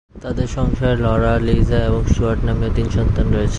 তাদের সংসারে Laura, Liza এবং স্টুয়ার্ট নামীয় তিন সন্তান রয়েছে।